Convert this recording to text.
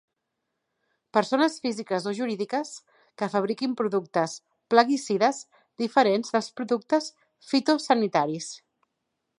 Persones físiques o jurídiques que fabriquin productes plaguicides diferents dels productes fitosanitaris.